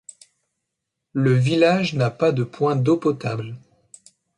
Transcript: Le village n'a pas de point d’eau potable.